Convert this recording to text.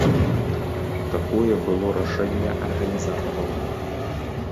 Такое было рашэнне арганізатараў.